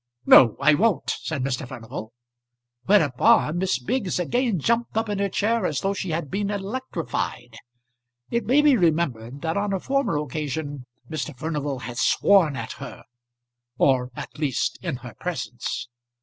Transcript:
"No, I won't," said Mr. Furnival. Whereupon Miss Biggs again jumped up in her chair as though she had been electrified. It may be remembered that on a former occasion Mr. Furnival had sworn at her or at least in her presence.